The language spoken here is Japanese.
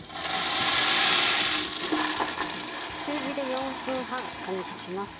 中火で４分半加熱します。